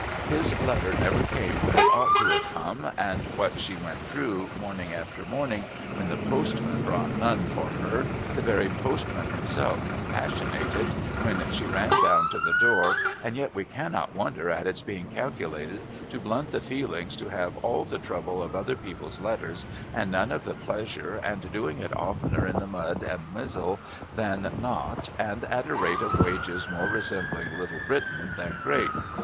His letter never came when it ought to have come and what she went through morning after morning when the postman brought none for her the very postman himself compassionated when she ran down to the door, and yet we cannot wonder at its being calculated to blunt the feelings to have all the trouble of other people's letters and none of the pleasure and doing it oftener in the mud and mizzle than not and at a rate of wages more resembling Little Britain than Great.